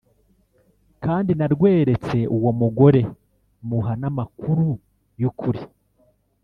kandi narweretse uwo mugore muha n’amakuru y’ukuri